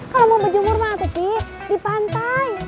kalau mau bejumur pak atu fi di pantai